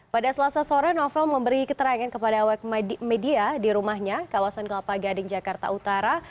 pada selasa sore novel memberi keterangan kepada awak media di rumahnya kawasan kelapa gading jakarta utara